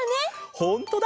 ほんとだ。